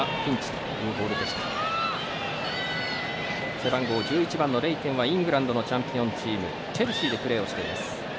背番号１１番のレイテンはイングランドのチャンピオンチームチェルシーでプレーしています。